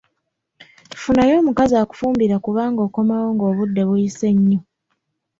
Funayo omukazi akufumbira kubanga okomawo nga obudde buyise nnyo.